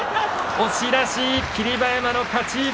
押し出し、霧馬山の勝ち。